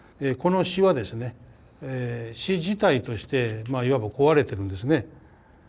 この詩はですね詩自体としてまあいわば壊れてるんですね。